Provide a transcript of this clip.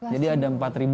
jadi ada empat lima ratus